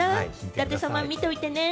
舘様、見ておいてね。